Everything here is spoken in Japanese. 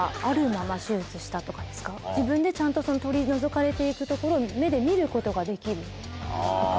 自分でちゃんと取り除かれていくところを目で見ることができるとか。